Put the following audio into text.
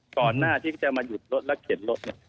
ก่อนหน้าที่เขาจะมาหยุดรถแล้วเข็นรถเนี่ย